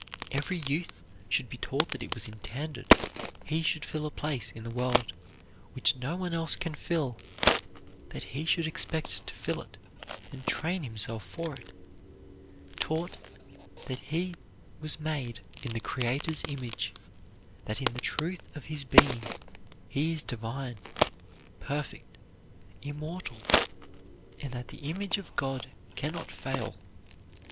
Every youth should be taught that it was intended he should fill a place in the world which no one else can fill; that he should expect to fill it, and train himself for it; taught that he was made in the Creator's image, that in the truth of his being he is divine, perfect, immortal, and that the image of God can not fail.